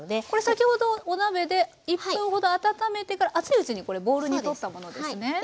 これ先ほどお鍋で１分ほど温めてから熱いうちにボウルにとったものですね。